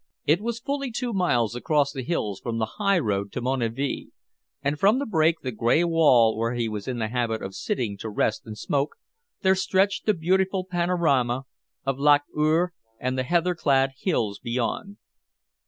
It was fully two miles across the hills from the high road to Moniaive, and from the break the gray wall where he was in the habit of sitting to rest and smoke, there stretched the beautiful panorama of Loch Urr and the heatherclad hills beyond.